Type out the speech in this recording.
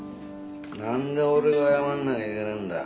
なんで俺が謝んなきゃいけねえんだよ。